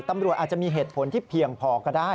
ตำรวจอาจจะมีเหตุผลที่เพียงพอก็ได้